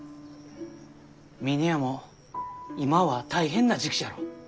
峰屋も今は大変な時期じゃろ？